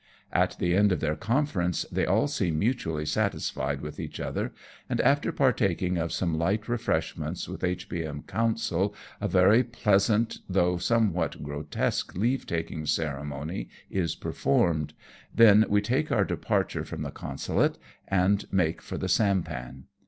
At the end of their conference they all seem mutually satisfied with each other, and after partaking of some light refresh ments with H.B.M. Consul, a very pleasant though somewhat grotesque leavetaking ceremony is performed; then we take our departure from the Consulate, and make for the sampan.